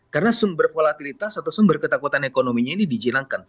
karena sumber volatilitas atau sumber ketakutan ekonominya ini di jelangkan